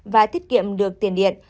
và tiết kiệm được tiền điện